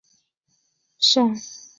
上师大中国慰安妇问题研究中心